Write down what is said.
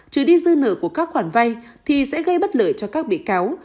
trừ đi dư nợ của các khoản vay thì sẽ gây bất lợi cho các bị cáo